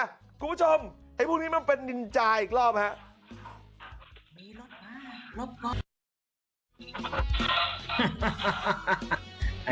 คุณผู้ชมพวกนี้มันเป็นดินจาอีกรอบนะฮะ